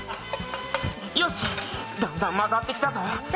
よし、だんだん混ざってきたぞ。